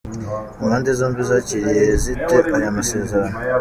Impande zombi zakiriye zite aya masezerano ?.